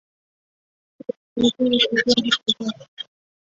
随时注意时间的习惯